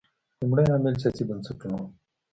لومړی عامل سیاسي بنسټونه وو.